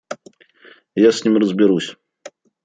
Я с ним разберусь.